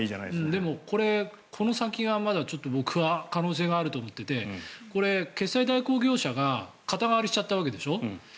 でも、この先がまだ僕は可能性があると思っていてこれ、決済代行業者が肩代わりしちゃったわけでしょ。